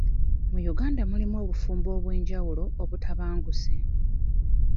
Mu Uganda mulimu obufumbo obw'enjawulo obutabanguse.